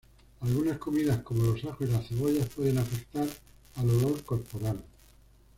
Algunas comidas como los ajos y las cebollas pueden afectar al olor corporal.